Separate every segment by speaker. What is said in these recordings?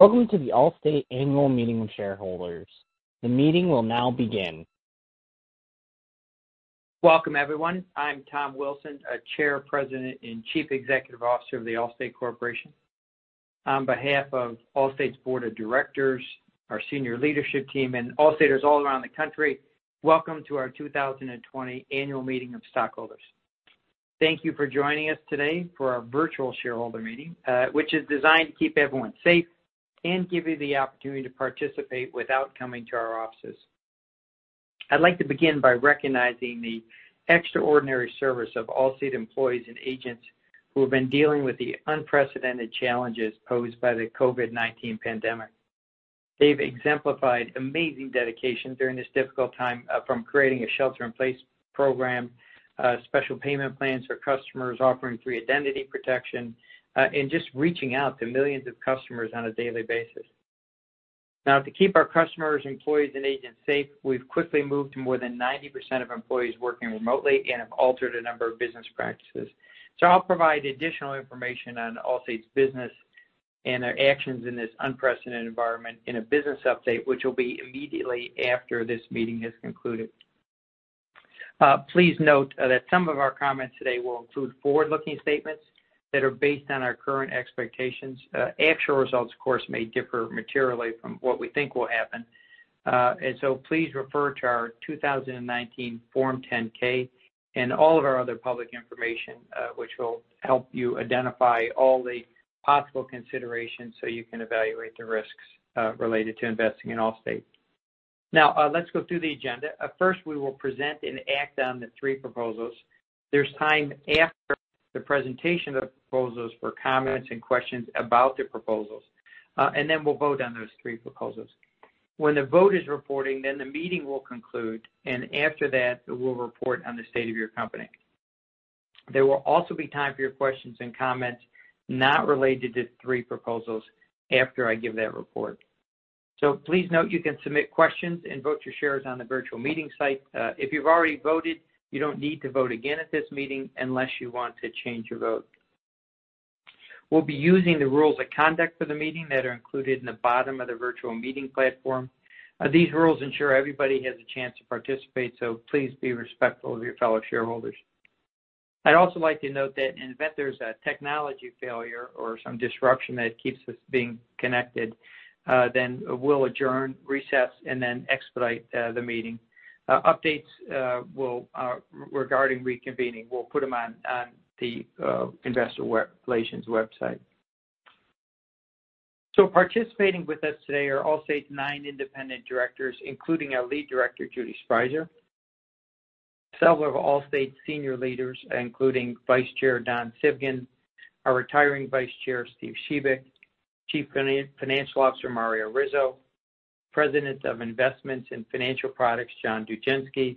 Speaker 1: Welcome to the Allstate Annual Meeting of Shareholders. The meeting will now begin.
Speaker 2: Welcome, everyone. I'm Tom Wilson, the Chair, President, and Chief Executive Officer of the Allstate Corporation. On behalf of Allstate's Board of Directors, our senior leadership team, and Allstaters all around the country, welcome to our 2020 Annual Meeting of Stockholders. Thank you for joining us today for our virtual shareholder meeting, which is designed to keep everyone safe and give you the opportunity to participate without coming to our offices. I'd like to begin by recognizing the extraordinary service of Allstate employees and agents who have been dealing with the unprecedented challenges posed by the COVID-19 pandemic. They've exemplified amazing dedication during this difficult time, from creating a shelter-in-place program, special payment plans for customers, offering free identity protection, and just reaching out to millions of customers on a daily basis. Now, to keep our customers, employees, and agents safe, we've quickly moved to more than 90% of employees working remotely and have altered a number of business practices. So I'll provide additional information on Allstate's business and their actions in this unprecedented environment in a business update, which will be immediately after this meeting has concluded. Please note that some of our comments today will include forward-looking statements that are based on our current expectations. Actual results, of course, may differ materially from what we think will happen, and so please refer to our 2019 Form 10-K and all of our other public information, which will help you identify all the possible considerations so you can evaluate the risks related to investing in Allstate. Now, let's go through the agenda. First, we will present and act on the three proposals. There's time after the presentation of the proposals for comments and questions about the proposals. And then we'll vote on those three proposals. When the vote is reporting, then the meeting will conclude. And after that, we'll report on the state of your company. There will also be time for your questions and comments not related to the three proposals after I give that report. So please note you can submit questions and vote your shares on the virtual meeting site. If you've already voted, you don't need to vote again at this meeting unless you want to change your vote. We'll be using the rules of conduct for the meeting that are included in the bottom of the virtual meeting platform. These rules ensure everybody has a chance to participate, so please be respectful of your fellow shareholders. I'd also like to note that in the event there's a technology failure or some disruption that keeps us being connected, then we'll adjourn, recess, and then expedite the meeting. Updates regarding reconvening, we'll put them on the Investor Relations website. So participating with us today are Allstate's nine independent directors, including our Lead Director, Judith Sprieser, several of Allstate's senior leaders, including Vice Chair Don Civgin, our retiring Vice Chair, Steve Shebik, Chief Financial Officer, Mario Rizzo, President of Investments and Financial Products, John Dugenske,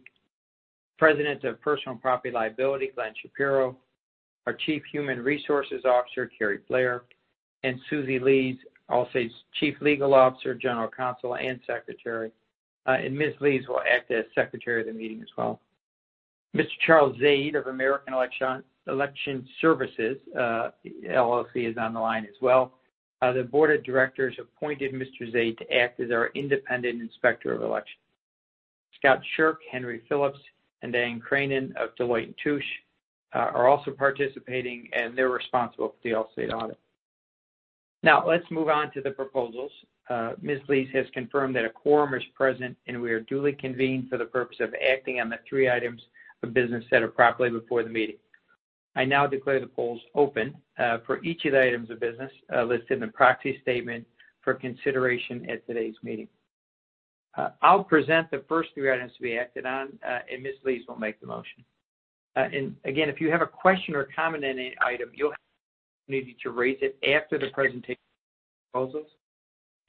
Speaker 2: President of Personal Property-Liability, Glenn Shapiro, our Chief Human Resources Officer, Carrie Blair, and Susie Lees, Allstate's Chief Legal Officer, General Counsel, and Secretary. And Ms. Lees will act as Secretary of the meeting as well. Mr. Charles Zade of American Election Services, LLC, is on the line as well. The Board of Directors appointed Mr. Zade to act as our independent inspector of elections. Scott Shirk, Henry Phillips, and Dan Cronin of Deloitte & Touche are also participating, and they're responsible for the Allstate audit. Now, let's move on to the proposals. Ms. Lees has confirmed that a quorum is present, and we are duly convened for the purpose of acting on the three items of business set up properly before the meeting. I now declare the polls open for each of the items of business listed in the proxy statement for consideration at today's meeting. I'll present the first three items to be acted on, and Ms. Lees will make the motion. And again, if you have a question or comment on any item, you'll need to raise it after the presentation of the proposals.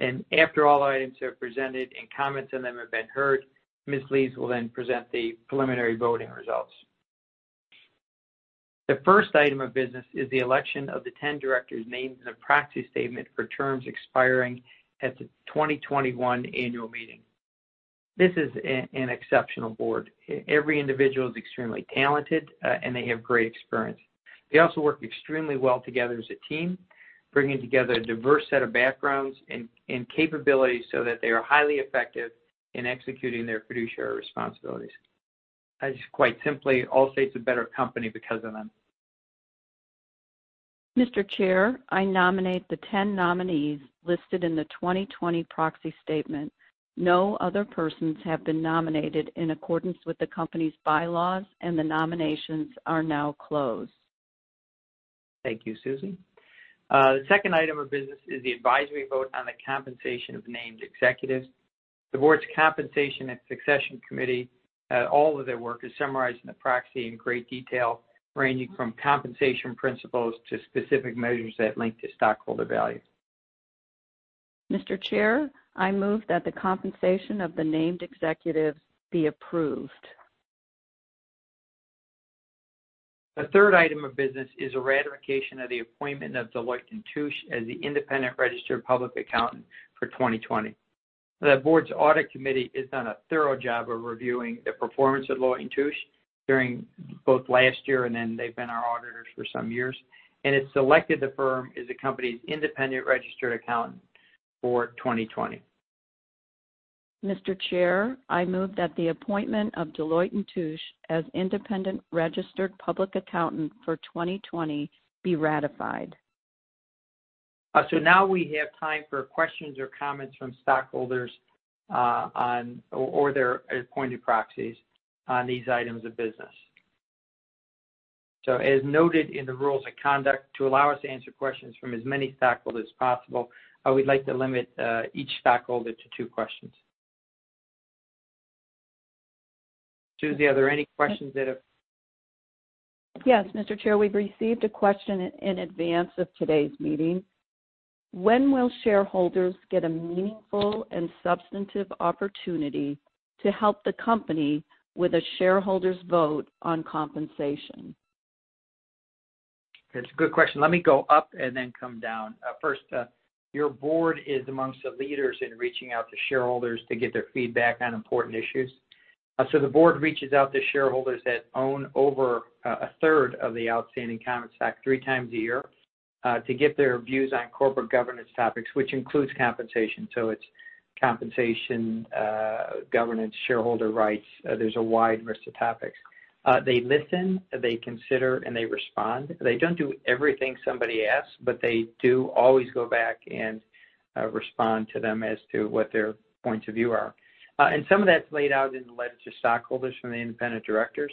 Speaker 2: And after all items have presented and comments on them have been heard, Ms. Lees will then present the preliminary voting results. The first item of business is the election of the 10 directors named in the proxy statement for terms expiring at the 2021 Annual Meeting. This is an exceptional board. Every individual is extremely talented, and they have great experience. They also work extremely well together as a team, bringing together a diverse set of backgrounds and capabilities so that they are highly effective in executing their fiduciary responsibilities. Quite simply, Allstate's a better company because of them.
Speaker 3: Mr. Chair, I nominate the 10 nominees listed in the 2020 Proxy Statement. No other persons have been nominated in accordance with the company's bylaws, and the nominations are now closed.
Speaker 2: Thank you, Susie. The second item of business is the advisory vote on the compensation of named executives. The board's Compensation and Succession Committee, all of their work, is summarized in the proxy in great detail, ranging from compensation principles to specific measures that link to stockholder value.
Speaker 3: Mr. Chair, I move that the compensation of the named executives be approved.
Speaker 2: The third item of business is a ratification of the appointment of Deloitte & Touche as the independent registered public accountant for 2020. The board's Audit Committee has done a thorough job of reviewing the performance of Deloitte & Touche during both last year, and then they've been our auditors for some years, and it's selected the firm as the company's independent registered accountant for 2020.
Speaker 3: Mr. Chair, I move that the appointment of Deloitte & Touche as independent registered public accountant for 2020 be ratified.
Speaker 2: Now we have time for questions or comments from stockholders or their appointed proxies on these items of business. As noted in the rules of conduct, to allow us to answer questions from as many stockholders as possible, I would like to limit each stockholder to two questions. Susie, are there any questions that have?
Speaker 3: Yes, Mr. Chair, we've received a question in advance of today's meeting. When will shareholders get a meaningful and substantive opportunity to help the company with a shareholder's vote on compensation?
Speaker 2: That's a good question. Let me go up and then come down. First, your board is among the leaders in reaching out to shareholders to get their feedback on important issues, so the board reaches out to shareholders that own over a third of the outstanding common stock three times a year to get their views on corporate governance topics, which includes compensation, so it's compensation, governance, shareholder rights. There's a wide list of topics. They listen, they consider, and they respond. They don't do everything somebody asks, but they do always go back and respond to them as to what their points of view are, and some of that's laid out in the letters to stockholders from the independent directors.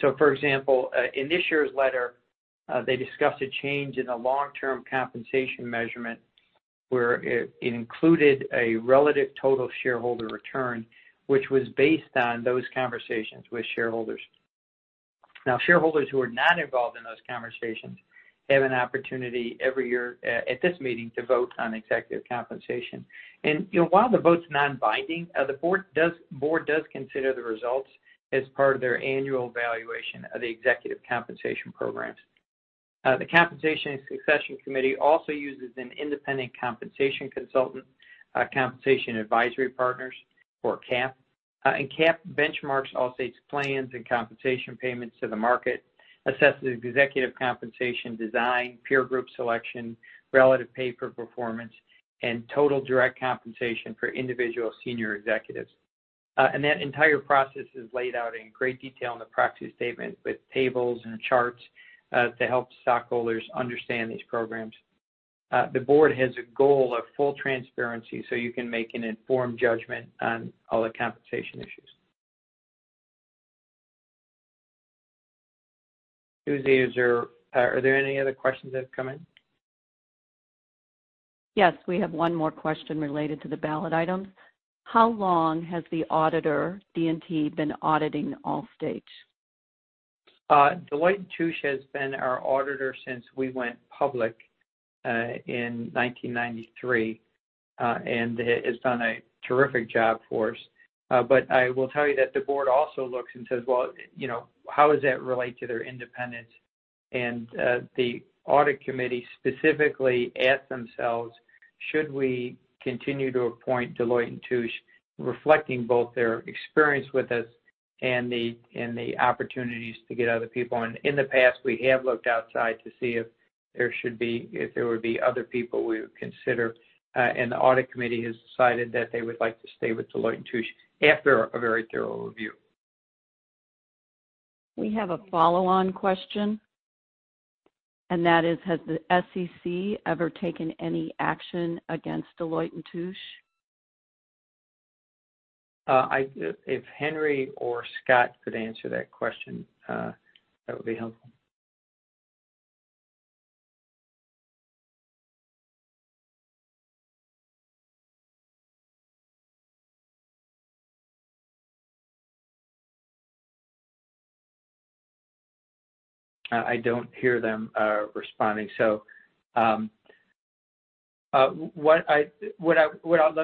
Speaker 2: So for example, in this year's letter, they discussed a change in the long-term compensation measurement where it included a relative total shareholder return, which was based on those conversations with shareholders. Now, shareholders who are not involved in those conversations have an opportunity every year at this meeting to vote on executive compensation. And while the vote's non-binding, the board does consider the results as part of their annual evaluation of the executive compensation programs. The compensation and succession committee also uses an independent compensation consultant, Compensation Advisory Partners, or CAP. And CAP benchmarks Allstate's plans and compensation payments to the market, assesses executive compensation design, peer group selection, relative pay for performance, and total direct compensation for individual senior executives. And that entire process is laid out in great detail in the proxy statement with tables and charts to help stockholders understand these programs. The board has a goal of full transparency so you can make an informed judgment on all the compensation issues. Susie, are there any other questions that have come in?
Speaker 3: Yes, we have one more question related to the ballot items. How long has the auditor, D&T, been auditing Allstate?
Speaker 2: Deloitte & Touche has been our auditor since we went public in 1993 and has done a terrific job for us. But I will tell you that the board also looks and says, "Well, how does that relate to their independence?" And the audit committee specifically asked themselves, "Should we continue to appoint Deloitte & Touche, reflecting both their experience with us and the opportunities to get other people?" And in the past, we have looked outside to see if there should be if there would be other people we would consider. And the audit committee has decided that they would like to stay with Deloitte & Touche after a very thorough review.
Speaker 3: We have a follow-on question. And that is, has the SEC ever taken any action against Deloitte & Touche?
Speaker 2: If Henry or Scott could answer that question, that would be helpful. I don't hear them responding. Let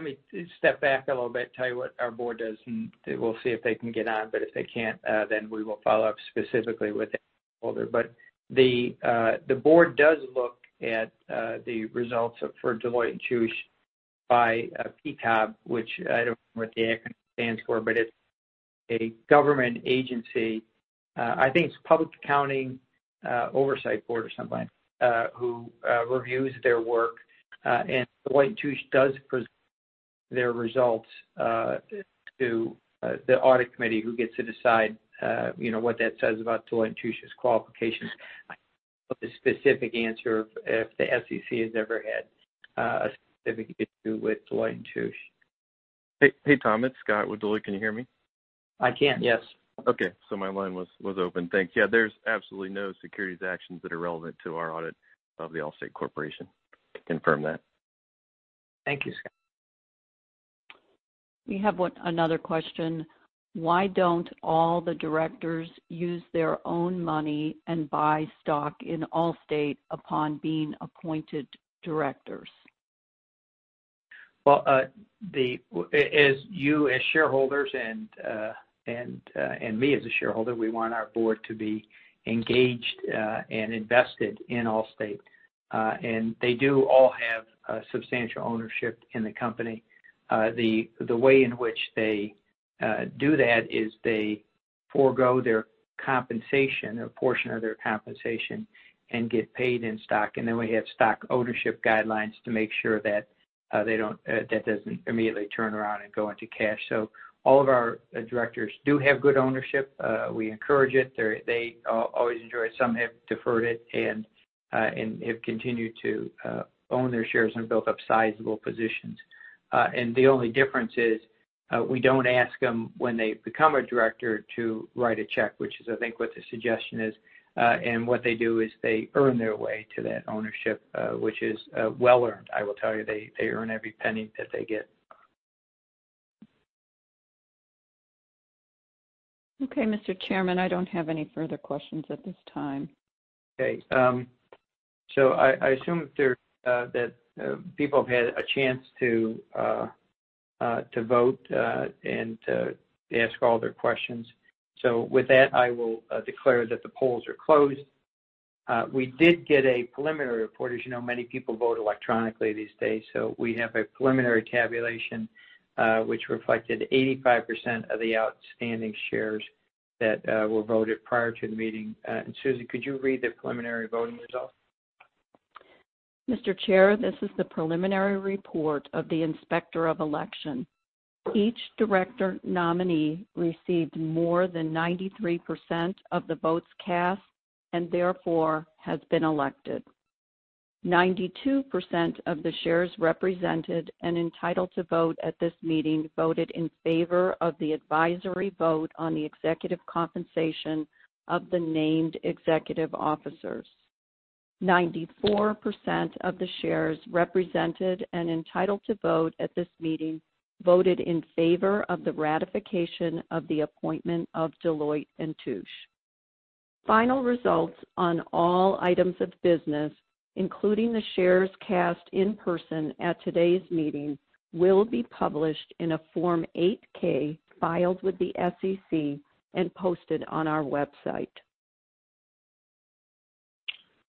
Speaker 2: me step back a little bit and tell you what our board does, and we'll see if they can get on. But if they can't, then we will follow up specifically with the stockholder. The board does look at the results for Deloitte & Touche by PCAOB, which I don't know what the acronym stands for, but it's a government agency. I think it's Public Accounting Oversight Board or something who reviews their work. Deloitte & Touche does present their results to the audit committee who gets to decide what that says about Deloitte & Touche's qualifications. I don't know the specific answer if the SEC has ever had a specific issue with Deloitte & Touche.
Speaker 4: Hey, Tom. It's Scott with Deloitte. Can you hear me?
Speaker 2: I can, yes. Okay. So my line was open. Thanks. Yeah, there's absolutely no securities actions that are relevant to our audit of the Allstate Corporation. Confirm that.
Speaker 4: Thank you, Scott.
Speaker 3: We have another question. Why don't all the directors use their own money and buy stock in Allstate upon being appointed directors?
Speaker 2: As you as shareholders and me as a shareholder, we want our board to be engaged and invested in Allstate. And they do all have substantial ownership in the company. The way in which they do that is they forego their compensation, a portion of their compensation, and get paid in stock. And then we have stock ownership guidelines to make sure that they don't, that doesn't immediately turn around and go into cash. So all of our directors do have good ownership. We encourage it. They always enjoy it. Some have deferred it and have continued to own their shares and build up sizable positions. And the only difference is we don't ask them when they become a director to write a check, which is, I think, what the suggestion is. What they do is they earn their way to that ownership, which is well-earned, I will tell you. They earn every penny that they get.
Speaker 3: Okay, Mr. Chairman. I don't have any further questions at this time.
Speaker 2: Okay. So I assume that people have had a chance to vote and to ask all their questions. So with that, I will declare that the polls are closed. We did get a preliminary report. As you know, many people vote electronically these days. So we have a preliminary tabulation, which reflected 85% of the outstanding shares that were voted prior to the meeting. And Susie, could you read the preliminary voting results?
Speaker 3: Mr. Chair, this is the preliminary report of the inspector of election. Each director nominee received more than 93% of the votes cast and therefore has been elected. 92% of the shares represented and entitled to vote at this meeting voted in favor of the advisory vote on the executive compensation of the named executive officers. 94% of the shares represented and entitled to vote at this meeting voted in favor of the ratification of the appointment of Deloitte & Touche. Final results on all items of business, including the shares cast in person at today's meeting, will be published in a Form 8-K filed with the SEC and posted on our website.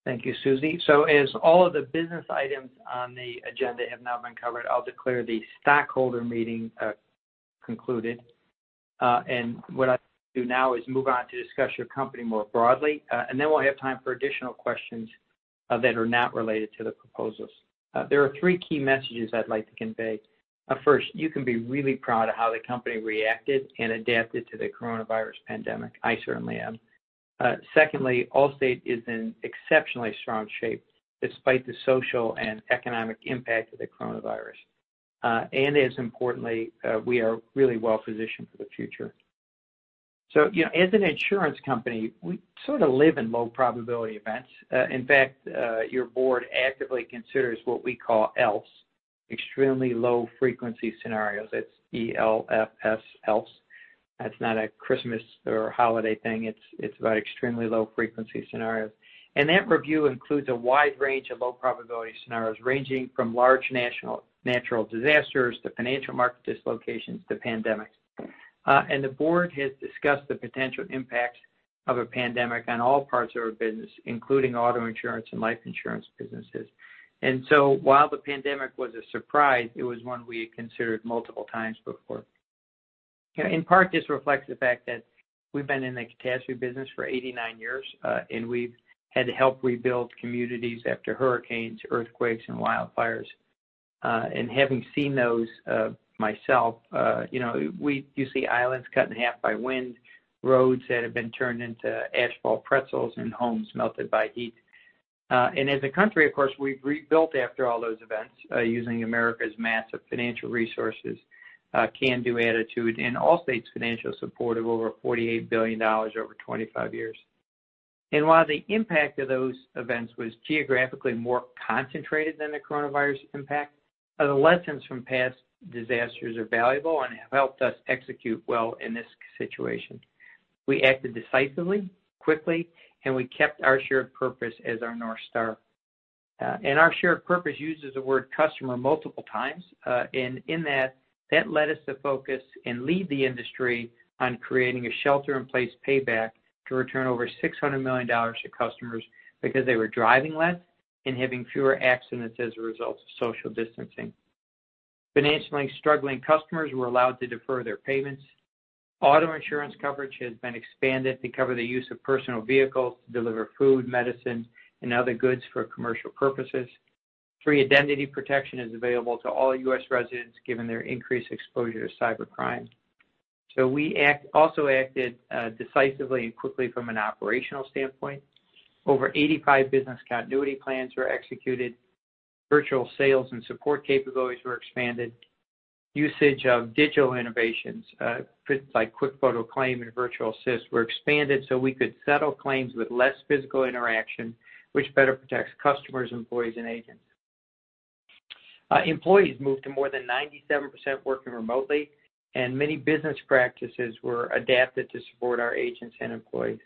Speaker 2: Thank you, Susie. So as all of the business items on the agenda have now been covered, I'll declare the stockholder meeting concluded. And what I'll do now is move on to discuss your company more broadly. And then we'll have time for additional questions that are not related to the proposals. There are three key messages I'd like to convey. First, you can be really proud of how the company reacted and adapted to the coronavirus pandemic. I certainly am. Secondly, Allstate is in exceptionally strong shape despite the social and economic impact of the coronavirus. And as importantly, we are really well-positioned for the future. So as an insurance company, we sort of live in low-probability events. In fact, your board actively considers what we call ELFs, extremely low-frequency scenarios. That's E-L-F-S, ELFs. That's not a Christmas or holiday thing. It's about extremely low-frequency scenarios. That review includes a wide range of low-probability scenarios ranging from large natural disasters to financial market dislocations to pandemics. The board has discussed the potential impacts of a pandemic on all parts of our business, including auto insurance and life insurance businesses. So while the pandemic was a surprise, it was one we had considered multiple times before. In part, this reflects the fact that we've been in the catastrophe business for 89 years, and we've had to help rebuild communities after hurricanes, earthquakes, and wildfires. Having seen those myself, you see islands cut in half by wind, roads that have been turned into asphalt pretzels, and homes melted by heat. As a country, of course, we've rebuilt after all those events using America's massive financial resources, can-do attitude, and Allstate's financial support of over $48 billion over 25 years. While the impact of those events was geographically more concentrated than the coronavirus impact, the lessons from past disasters are valuable and have helped us execute well in this situation. We acted decisively, quickly, and we kept our shared purpose as our North Star. Our shared purpose uses the word customer multiple times. In that, that led us to focus and lead the industry on creating a Shelter-in-Place Payback to return over $600 million to customers because they were driving less and having fewer accidents as a result of social distancing. Financially struggling customers were allowed to defer their payments. Auto insurance coverage has been expanded to cover the use of personal vehicles to deliver food, medicine, and other goods for commercial purposes. Free identity protection is available to all U.S. residents given their increased exposure to cybercrime. We also acted decisively and quickly from an operational standpoint. Over 85 business continuity plans were executed. Virtual sales and support capabilities were expanded. Usage of digital innovations like QuickFoto Claim and Virtual Assist were expanded so we could settle claims with less physical interaction, which better protects customers, employees, and agents. Employees moved to more than 97% working remotely, and many business practices were adapted to support our agents and employees.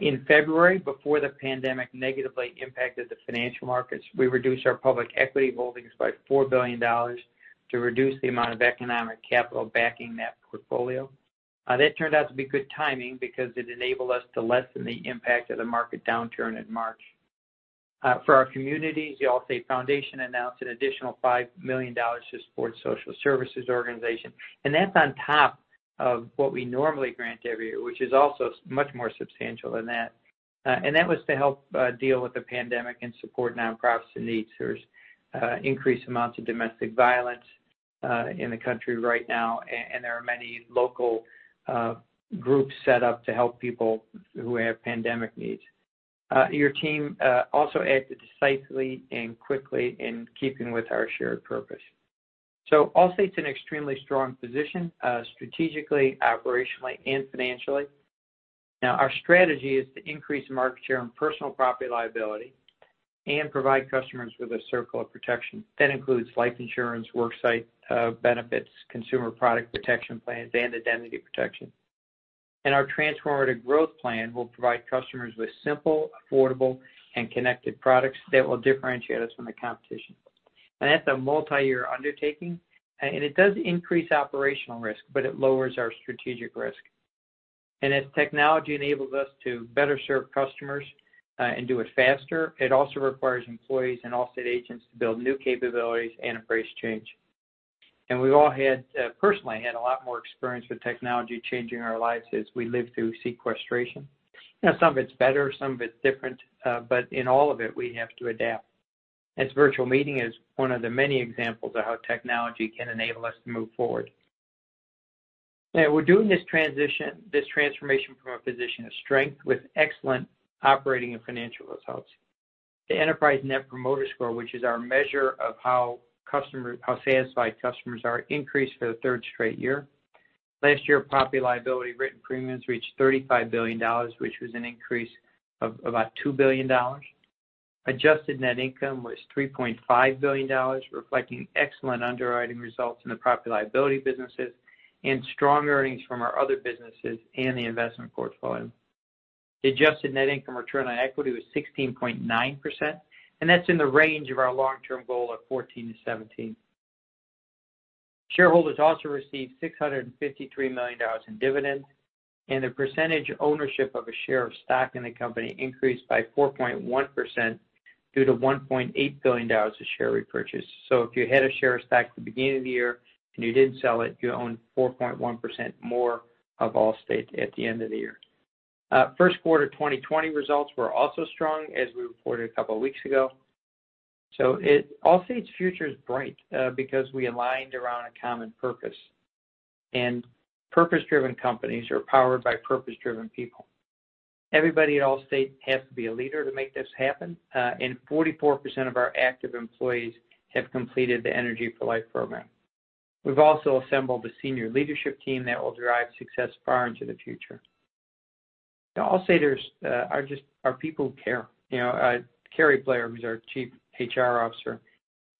Speaker 2: In February, before the pandemic negatively impacted the financial markets, we reduced our public equity holdings by $4 billion to reduce the amount of economic capital backing that portfolio. That turned out to be good timing because it enabled us to lessen the impact of the market downturn in March. For our communities, the Allstate Foundation announced an additional $5 million to support social services organizations. And that's on top of what we normally grant every year, which is also much more substantial than that. And that was to help deal with the pandemic and support nonprofits and needs. There's increased amounts of domestic violence in the country right now, and there are many local groups set up to help people who have pandemic needs. Your team also acted decisively and quickly in keeping with our shared purpose. So Allstate's in an extremely strong position strategically, operationally, and financially. Now, our strategy is to increase market share in personal property liability and provide customers with a Circle of Protection. That includes life insurance, worksite benefits, consumer product protection plans, and identity protection. And our Transformative Growth plan will provide customers with simple, affordable, and connected products that will differentiate us from the competition. That's a multi-year undertaking, and it does increase operational risk, but it lowers our strategic risk. As technology enables us to better serve customers and do it faster, it also requires employees and Allstate agents to build new capabilities and embrace change. We've all had, personally, a lot more experience with technology changing our lives as we live through sequestration. Now, some of it's better. Some of it's different. In all of it, we have to adapt. This virtual meeting is one of the many examples of how technology can enable us to move forward. We're doing this transition, this transformation from a position of strength with excellent operating and financial results. The Enterprise Net Promoter Score, which is our measure of how satisfied customers are, increased for the third straight year. Last year, Property-Liability written premiums reached $35 billion, which was an increase of about $2 billion. Adjusted net income was $3.5 billion, reflecting excellent underwriting results in the Property-Liability businesses and strong earnings from our other businesses and the investment portfolio. The adjusted net income return on equity was 16.9%, and that's in the range of our long-term goal of 14%-17%. Shareholders also received $653 million in dividends, and the percentage ownership of a share of stock in the company increased by 4.1% due to $1.8 billion of share repurchase. So if you had a share of stock at the beginning of the year and you didn't sell it, you owned 4.1% more of Allstate at the end of the year. First quarter 2020 results were also strong, as we reported a couple of weeks ago. So Allstate's future is bright because we aligned around a common purpose. And purpose-driven companies are powered by purpose-driven people. Everybody at Allstate has to be a leader to make this happen. And 44% of our active employees have completed the Energy for Life program. We've also assembled a senior leadership team that will drive success far into the future. The Allstaters are just our people who care. Carrie Blair, who's our Chief HR Officer,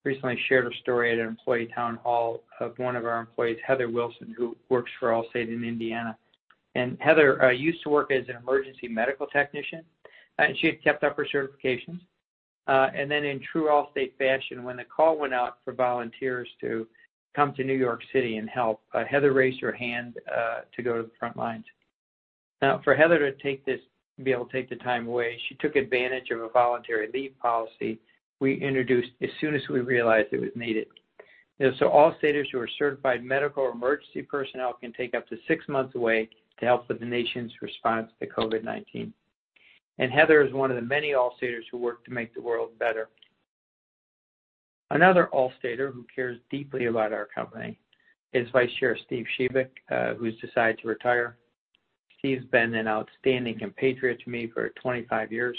Speaker 2: recently shared a story at an employee town hall of one of our employees, Heather Wilson, who works for Allstate in Indiana. And Heather used to work as an emergency medical technician, and she had kept up her certifications. And then in true Allstate fashion, when the call went out for volunteers to come to New York City and help, Heather raised her hand to go to the front lines. Now, for Heather to be able to take the time away, she took advantage of a voluntary leave policy we introduced as soon as we realized it was needed, so Allstaters who are certified medical or emergency personnel can take up to six months away to help with the nation's response to COVID-19, and Heather is one of the many Allstaters who work to make the world better. Another Allstater who cares deeply about our company is Vice Chair Steve Shebik, who's decided to retire. Steve's been an outstanding compatriot to me for 25 years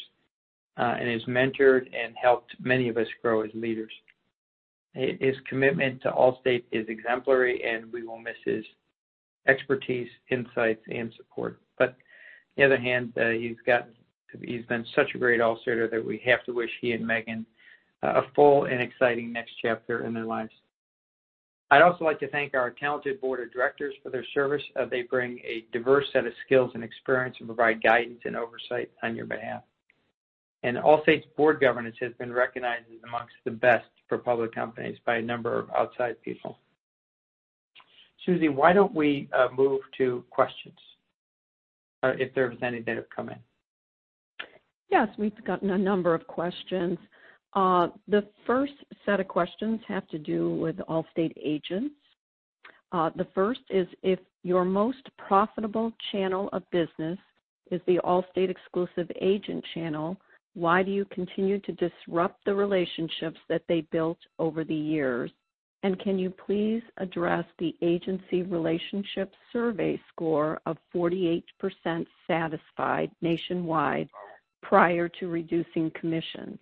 Speaker 2: and has mentored and helped many of us grow as leaders. His commitment to Allstate is exemplary, and we will miss his expertise, insights, and support, but on the other hand, he's been such a great Allstater that we have to wish he and Megan a full and exciting next chapter in their lives. I'd also like to thank our talented board of directors for their service. They bring a diverse set of skills and experience and provide guidance and oversight on your behalf, and Allstate's board governance has been recognized as amongst the best for public companies by a number of outside people. Susie, why don't we move to questions if there was any that have come in?
Speaker 3: Yes, we've gotten a number of questions. The first set of questions have to do with Allstate agents. The first is, if your most profitable channel of business is the Allstate exclusive agent channel, why do you continue to disrupt the relationships that they built over the years? And can you please address the Agency Relationship Survey score of 48% satisfied nationwide prior to reducing commissions?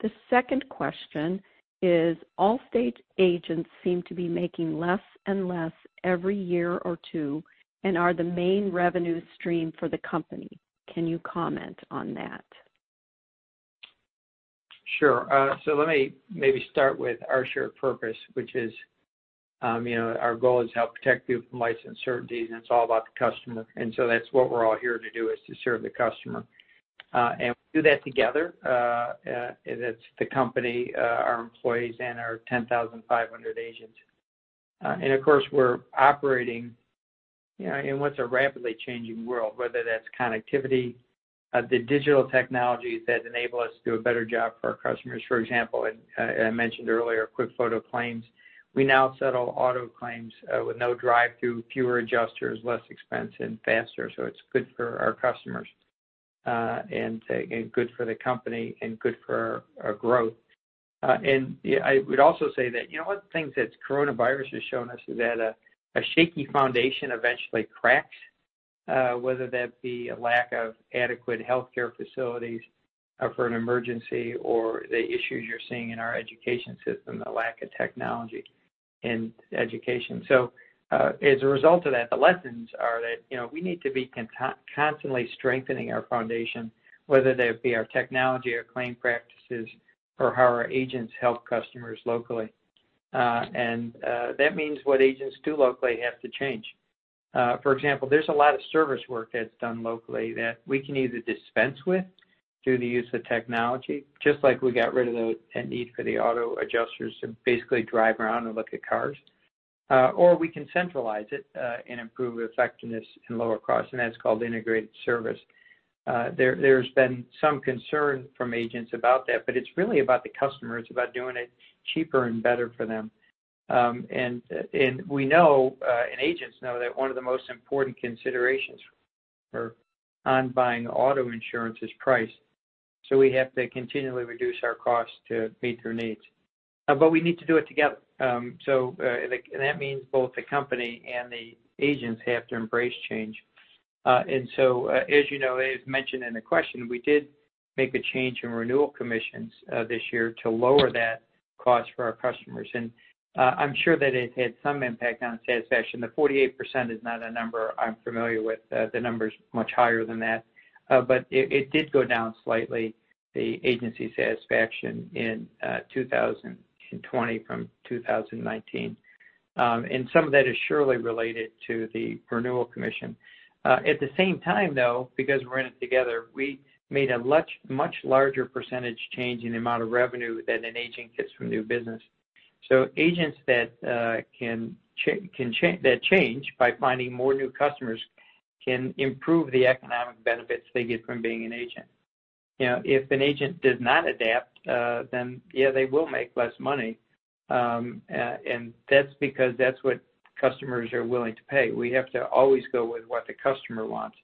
Speaker 3: The second question is, Allstate agents seem to be making less and less every year or two and are the main revenue stream for the company. Can you comment on that?
Speaker 2: Sure, so let me maybe start with our shared purpose, which is our goal is to help protect people from life's uncertainties, and it's all about the customer. And so that's what we're all here to do, is to serve the customer. And we do that together. That's the company, our employees, and our 10,500 agents. And of course, we're operating in what's a rapidly changing world, whether that's connectivity, the digital technologies that enable us to do a better job for our customers. For example, as I mentioned earlier, QuickFoto Claim. We now settle auto claims with no drive-through, fewer adjusters, less expense, and faster. So it's good for our customers and good for the company and good for our growth. I would also say that one of the things that coronavirus has shown us is that a shaky foundation eventually cracks, whether that be a lack of adequate healthcare facilities for an emergency or the issues you're seeing in our education system, the lack of technology in education. As a result of that, the lessons are that we need to be constantly strengthening our foundation, whether that be our technology, our claim practices, or how our agents help customers locally. That means what agents do locally have to change. For example, there's a lot of service work that's done locally that we can either dispense with through the use of technology, just like we got rid of the need for the auto adjusters to basically drive around and look at cars, or we can centralize it and improve effectiveness and lower costs. That's called Integrated Service. There's been some concern from agents about that, but it's really about the customer. It's about doing it cheaper and better for them. And we know, and agents know, that one of the most important considerations for when buying auto insurance is price. So we have to continually reduce our costs to meet their needs. But we need to do it together. So that means both the company and the agents have to embrace change. And so, as you know, as mentioned in the question, we did make a change in renewal commissions this year to lower that cost for our customers. And I'm sure that it had some impact on satisfaction. The 48% is not a number I'm familiar with. The number's much higher than that. But it did go down slightly, the agency satisfaction in 2020 from 2019. And some of that is surely related to the renewal commission. At the same time, though, because we're in it together, we made a much larger percentage change in the amount of revenue that an agent gets from new business, so agents that change by finding more new customers can improve the economic benefits they get from being an agent. If an agent does not adapt, then yeah, they will make less money, and that's because that's what customers are willing to pay. We have to always go with what the customer wants,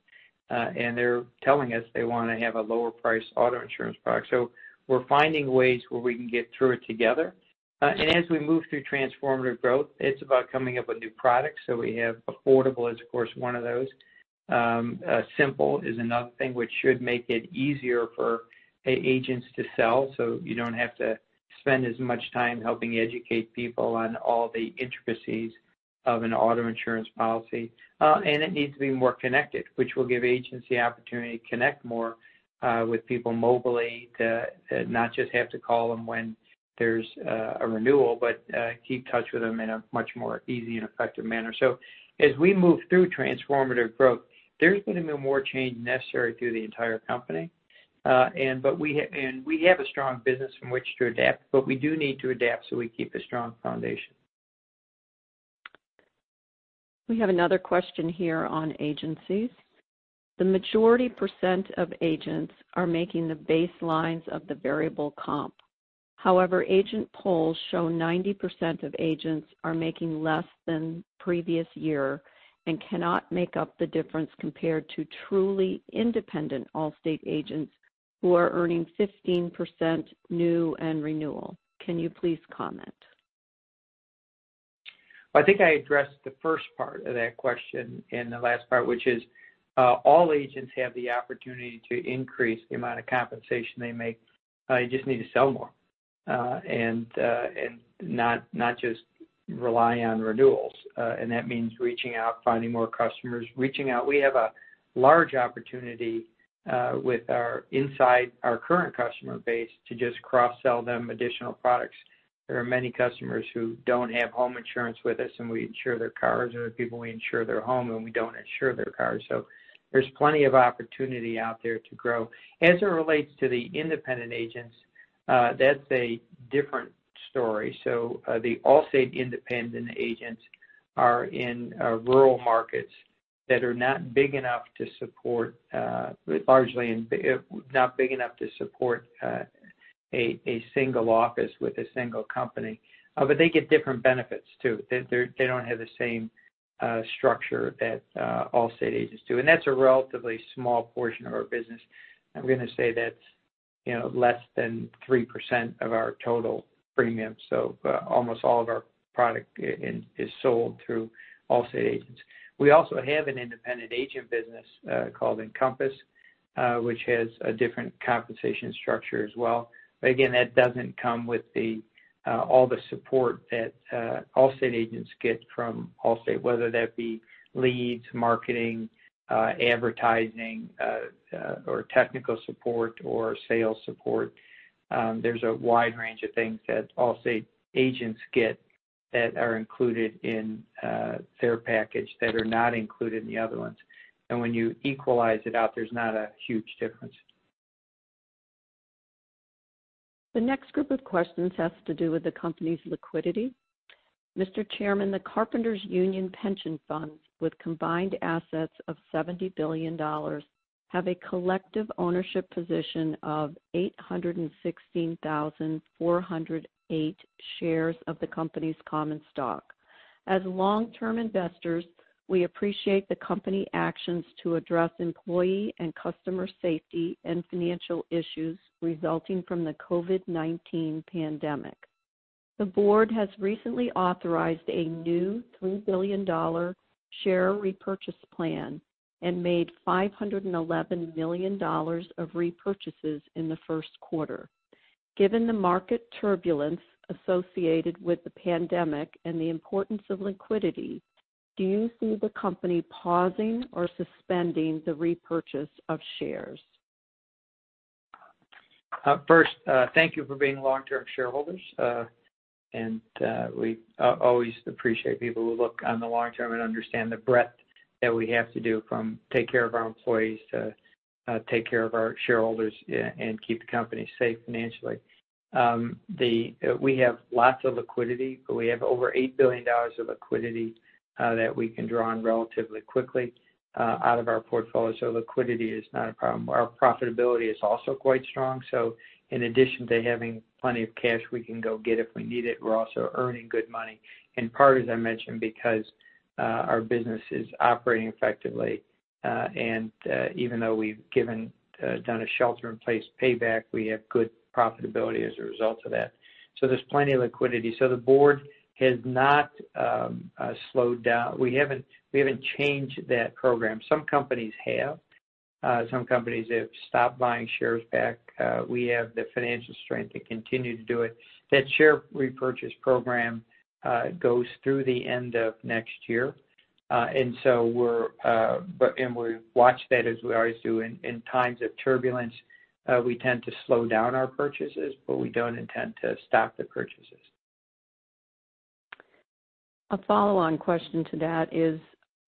Speaker 2: and they're telling us they want to have a lower-priced auto insurance product, so we're finding ways where we can get through it together, and as we move through Transformative Growth, it's about coming up with new products, so we have affordable as, of course, one of those. Simple is another thing, which should make it easier for agents to sell so you don't have to spend as much time helping educate people on all the intricacies of an auto insurance policy, and it needs to be more connected, which will give agents the opportunity to connect more with people mobilely to not just have to call them when there's a renewal, but keep in touch with them in a much more easy and effective manner, so as we move through transformative growth, there's going to be more change necessary through the entire company, and we have a strong business in which to adapt, but we do need to adapt so we keep a strong foundation.
Speaker 3: We have another question here on agencies. The majority percent of agents are making the baselines of the variable comp. However, agent polls show 90% of agents are making less than previous year and cannot make up the difference compared to truly independent Allstate agents who are earning 15% new and renewal. Can you please comment?
Speaker 2: I think I addressed the first part of that question in the last part, which is all agents have the opportunity to increase the amount of compensation they make. They just need to sell more and not just rely on renewals. And that means reaching out, finding more customers, reaching out. We have a large opportunity with our current customer base to just cross-sell them additional products. There are many customers who don't have home insurance with us, and we insure their cars. There are people we insure their home, and we don't insure their cars. So there's plenty of opportunity out there to grow. As it relates to the independent agents, that's a different story. So the Allstate independent agents are in rural markets that are not big enough to support a single office with a single company. But they get different benefits too. They don't have the same structure that Allstate agents do. And that's a relatively small portion of our business. I'm going to say that's less than 3% of our total premium. So almost all of our product is sold through Allstate agents. We also have an independent agent business called Encompass, which has a different compensation structure as well. But again, that doesn't come with all the support that Allstate agents get from Allstate, whether that be leads, marketing, advertising, or technical support or sales support. There's a wide range of things that Allstate agents get that are included in their package that are not included in the other ones. And when you equalize it out, there's not a huge difference.
Speaker 3: The next group of questions has to do with the company's liquidity. Mr. Chairman, the Carpenters Union Pension Fund, with combined assets of $70 billion, have a collective ownership position of 816,408 shares of the company's common stock. As long-term investors, we appreciate the company actions to address employee and customer safety and financial issues resulting from the COVID-19 pandemic. The board has recently authorized a new $3 billion share repurchase plan and made $511 million of repurchases in the first quarter. Given the market turbulence associated with the pandemic and the importance of liquidity, do you see the company pausing or suspending the repurchase of shares?
Speaker 2: First, thank you for being long-term shareholders, and we always appreciate people who look on the long term and understand the breadth that we have to do from take care of our employees to take care of our shareholders and keep the company safe financially. We have lots of liquidity, but we have over $8 billion of liquidity that we can draw on relatively quickly out of our portfolio, so liquidity is not a problem. Our profitability is also quite strong, so in addition to having plenty of cash we can go get if we need it, we're also earning good money. In part, as I mentioned, because our business is operating effectively, and even though we've done a Shelter-in-Place Payback, we have good profitability as a result of that, so there's plenty of liquidity. So the board has not slowed down. We haven't changed that program. Some companies have. Some companies have stopped buying shares back. We have the financial strength to continue to do it. That share repurchase program goes through the end of next year. And so we're watching that as we always do. In times of turbulence, we tend to slow down our purchases, but we don't intend to stop the purchases.
Speaker 3: A follow-on question to that is,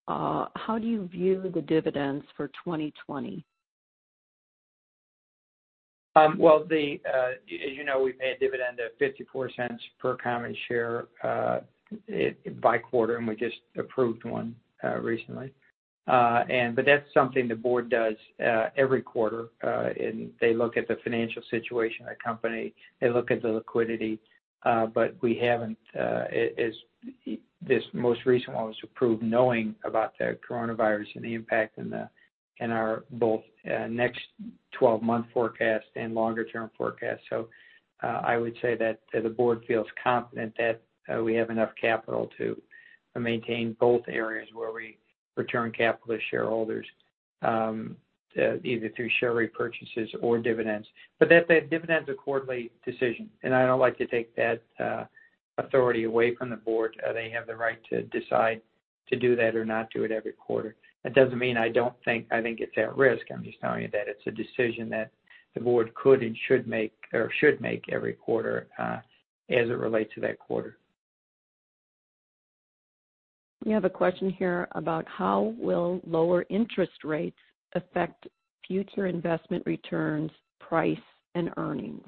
Speaker 3: how do you view the dividends for 2020?
Speaker 2: As you know, we pay a dividend of $0.54 per common share by quarter, and we just approved one recently, but that's something the board does every quarter, and they look at the financial situation of the company. They look at the liquidity. But we haven't, as this most recent one was approved, knowing about the coronavirus and the impact in both next 12-month forecast and longer-term forecast. So I would say that the board feels confident that we have enough capital to maintain both areas where we return capital to shareholders, either through share repurchases or dividends, but that dividend's a quarterly decision, and I don't like to take that authority away from the board. They have the right to decide to do that or not do it every quarter. That doesn't mean I don't think it's at risk. I'm just telling you that it's a decision that the board could and should make every quarter as it relates to that quarter.
Speaker 3: We have a question here about how will lower interest rates affect future investment returns, price, and earnings?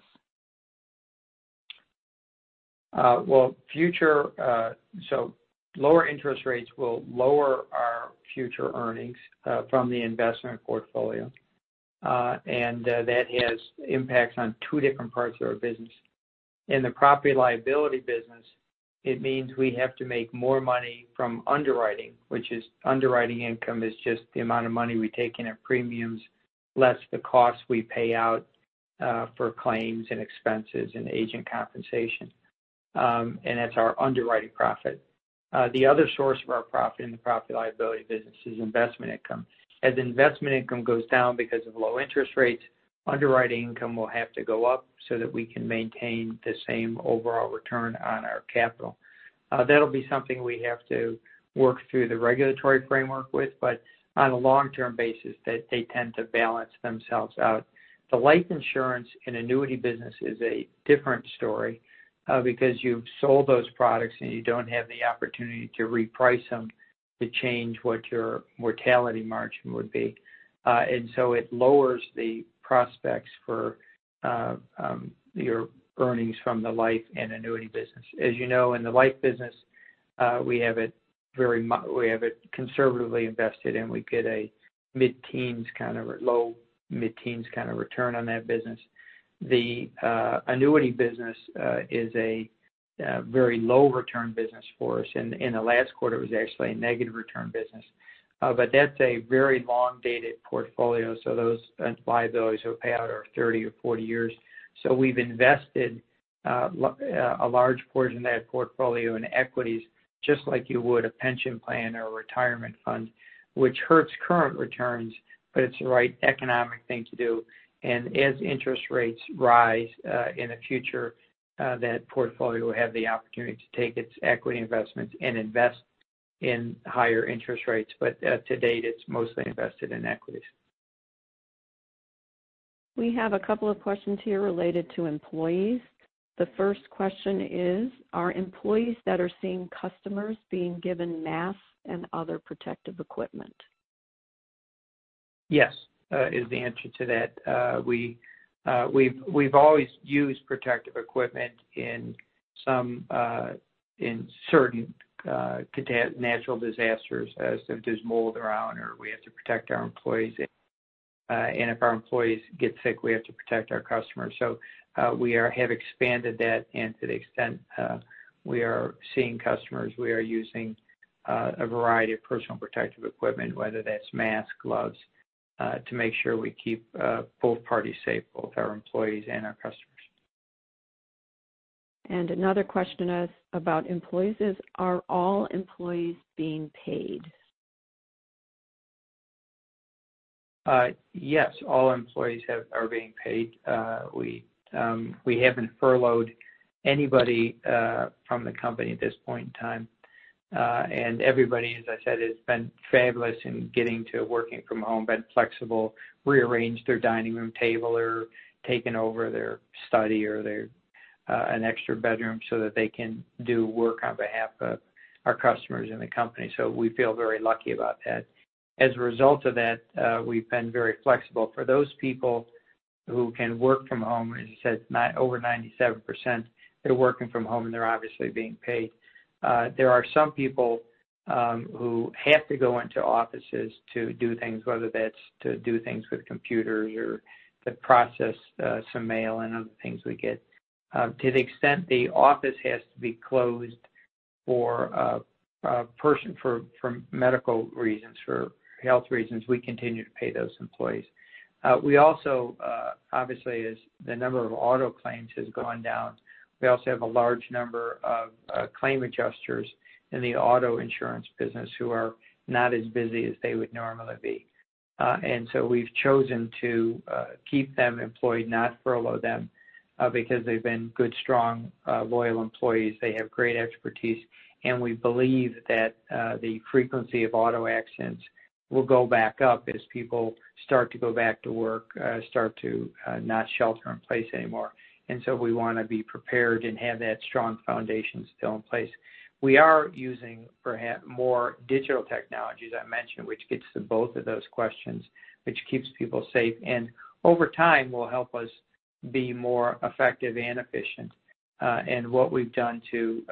Speaker 2: in the future, so lower interest rates will lower our future earnings from the investment portfolio. And that has impacts on two different parts of our business. In the property-liability business, it means we have to make more money from underwriting, which is underwriting income, is just the amount of money we take in at premiums, less the cost we pay out for claims and expenses and agent compensation. And that's our underwriting profit. The other source of our profit in the property-liability business is investment income. As investment income goes down because of low interest rates, underwriting income will have to go up so that we can maintain the same overall return on our capital. That'll be something we have to work through the regulatory framework with. But on a long-term basis, they tend to balance themselves out. The life insurance and annuity business is a different story because you've sold those products and you don't have the opportunity to reprice them to change what your mortality margin would be. And so it lowers the prospects for your earnings from the life and annuity business. As you know, in the life business, we have it conservatively invested, and we get a mid-teens kind of low mid-teens kind of return on that business. The annuity business is a very low-return business for us. And in the last quarter, it was actually a negative return business. But that's a very long-dated portfolio. So those liabilities will pay out over 30 or 40 years. So we've invested a large portion of that portfolio in equities, just like you would a pension plan or a retirement fund, which hurts current returns, but it's the right economic thing to do. And as interest rates rise in the future, that portfolio will have the opportunity to take its equity investments and invest in higher interest rates. But to date, it's mostly invested in equities.
Speaker 3: We have a couple of questions here related to employees. The first question is, are employees that are seeing customers being given masks and other protective equipment?
Speaker 2: Yes, is the answer to that. We've always used protective equipment in certain natural disasters as if there's mold around, or we have to protect our employees. And if our employees get sick, we have to protect our customers. So we have expanded that. And to the extent we are seeing customers, we are using a variety of personal protective equipment, whether that's masks, gloves, to make sure we keep both parties safe, both our employees and our customers.
Speaker 3: Another question about employees is, are all employees being paid?
Speaker 2: Yes, all employees are being paid. We haven't furloughed anybody from the company at this point in time, and everybody, as I said, has been fabulous in getting to working from home, been flexible, rearranged their dining room table or taken over their study or an extra bedroom so that they can do work on behalf of our customers and the company, so we feel very lucky about that. As a result of that, we've been very flexible for those people who can work from home. As I said, over 97%, they're working from home, and they're obviously being paid. There are some people who have to go into offices to do things, whether that's to do things with computers or to process some mail and other things we get. To the extent the office has to be closed for a person for medical reasons, for health reasons, we continue to pay those employees. We also, obviously, as the number of auto claims has gone down, we also have a large number of claim adjusters in the auto insurance business who are not as busy as they would normally be. And so we've chosen to keep them employed, not furlough them, because they've been good, strong, loyal employees. They have great expertise. And we believe that the frequency of auto accidents will go back up as people start to go back to work, start to not shelter-in-place anymore. And so we want to be prepared and have that strong foundation still in place. We are using more digital technologies, I mentioned, which gets to both of those questions, which keeps people safe and over time will help us be more effective and efficient, and what we've done to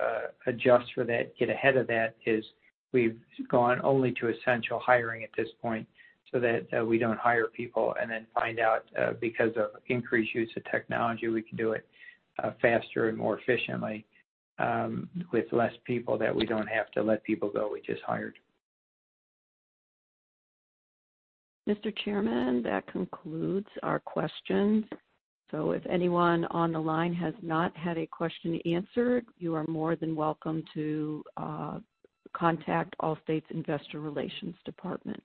Speaker 2: adjust for that, get ahead of that, is we've gone only to essential hiring at this point so that we don't hire people and then find out because of increased use of technology, we can do it faster and more efficiently with less people that we don't have to let people go we just hired.
Speaker 3: Mr. Chairman, that concludes our questions, so if anyone on the line has not had a question answered, you are more than welcome to contact Allstate's Investor Relations Department.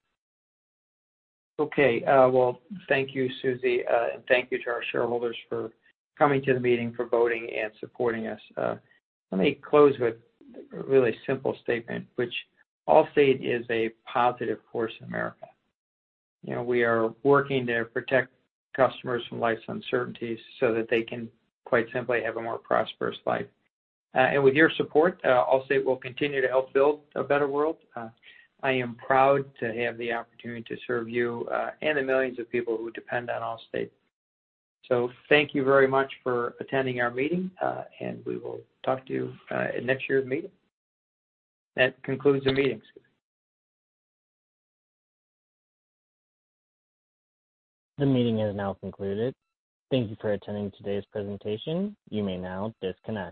Speaker 2: Okay. Well, thank you, Susie, and thank you to our shareholders for coming to the meeting, for voting, and supporting us. Let me close with a really simple statement, which Allstate is a positive force in America. We are working to protect customers from life's uncertainties so that they can quite simply have a more prosperous life. And with your support, Allstate will continue to help build a better world. I am proud to have the opportunity to serve you and the millions of people who depend on Allstate. So thank you very much for attending our meeting, and we will talk to you at next year's meeting. That concludes the meeting.
Speaker 1: The meeting is now concluded. Thank you for attending today's presentation. You may now disconnect.